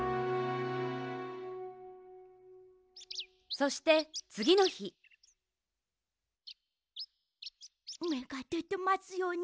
そしてつぎのひめがでてますように。